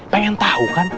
pengen tau kan